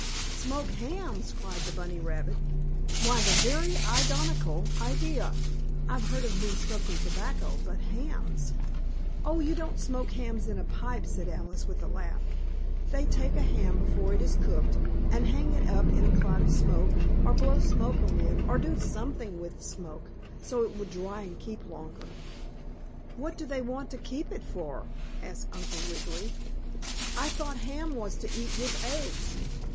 "Smoke hams!" cried the bunny rabbit. "Why the very idonical idea! I've heard of men smoking tobacco but hams " "Oh, you don't smoke hams in a pipe," said Alice with a laugh. "They take a ham before it is cooked, and hang it up in a cloud of smoke, or blow smoke on it, or do something to it with smoke, so it will dry and keep longer." "What do they want to keep it for?" asked Uncle Wiggily. "I thought ham was to eat, with eggs."